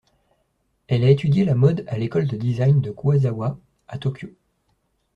Elle a étudié la mode à l'école de design de Kuwazawa à Tokyo.